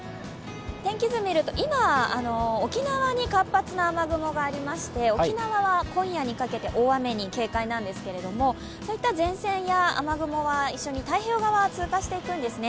天気図見ると、今、沖縄に活発な雨雲がありまして沖縄は今夜にかけて大雨に警戒なんですけれども、そういった前線や雨雲は一緒に太平洋側を通過していくんですね。